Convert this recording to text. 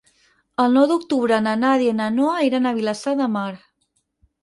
El nou d'octubre na Nàdia i na Noa iran a Vilassar de Mar.